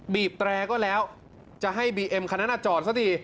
บีบแตรก็แล้วจะให้บีเอ็มคันนั้นจอดซะที